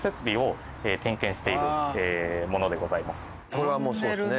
これはもうそうですね。